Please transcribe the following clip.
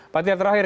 pak tihan terakhir